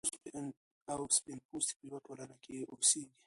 تورپوستي او سپین پوستي په یوه ټولنه کې اوسیږي.